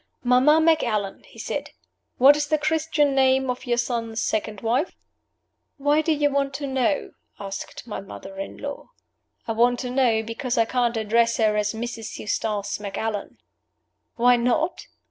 "Mamma Macallan," he said, "what is the Christian name of your son's second wife?" "Why do you want to know?" asked my mother in law. "I want to know because I can't address her as 'Mrs. Eustace Macallan.'" "Why not?"